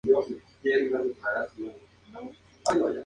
Cuatro figuras dolientes observan la crucifixión.